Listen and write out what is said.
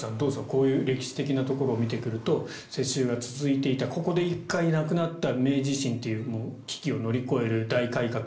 こういう歴史的なところを見ていくと世襲が続いていたここで１回、なくなった明治維新という危機を乗り越える大改革